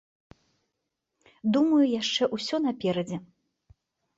Думаю, яшчэ ўсё наперадзе.